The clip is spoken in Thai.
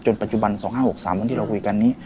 ปัจจุบัน๒๕๖๓วันที่เราคุยกันนี้